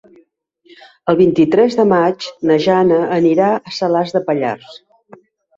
El vint-i-tres de maig na Jana anirà a Salàs de Pallars.